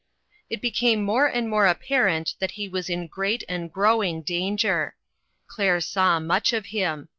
It became more and more apparent that he was in great and growing danger. Claire saw much of him.